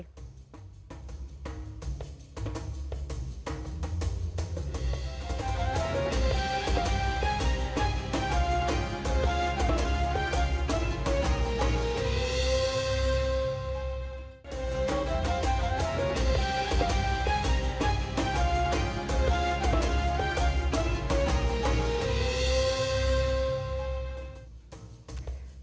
terima kasih pak